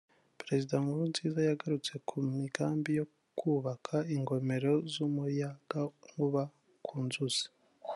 Perezida Nkurunziza yagarutse ku migambi yo kwubaka ingomero z’umuyagankuba ku nzuzi